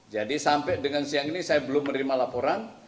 jadi sampai dengan siang ini saya belum menerima laporan